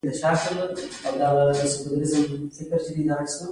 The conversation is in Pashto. دی عالم او منلی شخص و.